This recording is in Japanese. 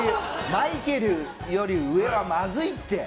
マイケルより上はまずいって。